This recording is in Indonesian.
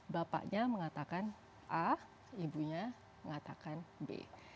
bapaknya mengatakan a ibunya mengatakan b